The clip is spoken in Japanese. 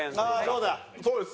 そうです。